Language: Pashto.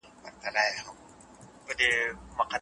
انلاين تدريس زده کوونکي له لرې ځایه يوځای کوي.